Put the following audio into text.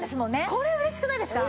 これ嬉しくないですか？